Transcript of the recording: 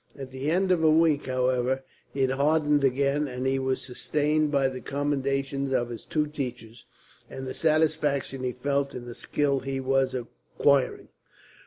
At the end of a week, however, it hardened again; and he was sustained by the commendations of his two teachers, and the satisfaction he felt in the skill he was acquiring.